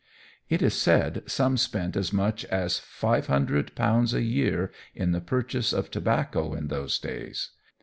It is said, some spent as much as £500 a year in the purchase of tobacco in those days.